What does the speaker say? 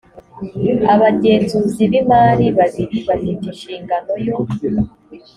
abagenzuzi b imari babiri bafite inshingano yo